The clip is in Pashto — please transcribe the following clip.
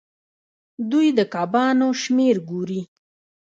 دوی د کبانو شمیر ګوري.